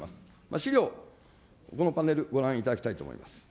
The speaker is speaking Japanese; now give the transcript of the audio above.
資料、このパネル、ご覧いただきたいと思います。